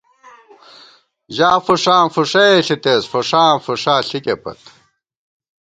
ژا فُوݭاں، فُوݭَئے ݪِتېس، فُوݭاں فُوݭا ݪِکے پت